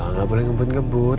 nggak boleh ngebut ngebut